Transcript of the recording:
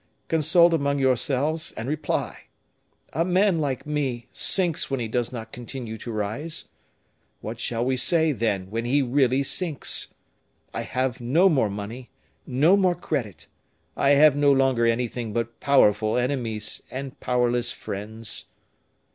Consult among yourselves and reply. A man like me sinks when he does not continue to rise. What shall we say, then, when he really sinks? I have no more money, no more credit; I have no longer anything but powerful enemies, and powerless friends."